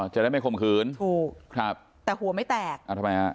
จะได้ไม่ข่มขืนถูกครับแต่หัวไม่แตกอ่าทำไมฮะ